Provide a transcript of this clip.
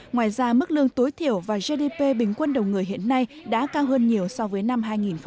ngoài ra mức lương tối thiểu và gdp bình quân đầu người hiện nay đã cao hơn nhiều so với năm hai nghìn một mươi